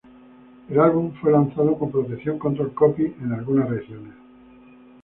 El álbum fue lanzado con protección Control Copy en algunas regiones.